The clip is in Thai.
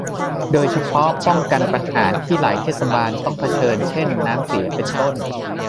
โดยเฉพาะป้องกันปัญหาที่หลายเทศบาลต้องเผชิญ เช่น น้ำเสีย เป็นต้น